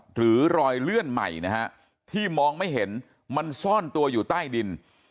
หรือรอยเลื่อนใหม่นะฮะที่มองไม่เห็นมันซ่อนตัวอยู่ใต้ดิน